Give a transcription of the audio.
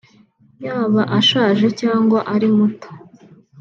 yaba ashaje cyangwa ari muto